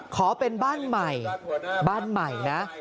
ขอเป็นบ้านใหม่บ้านใหม่นะ